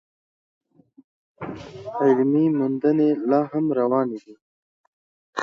علمي موندنې لا هم روانې دي.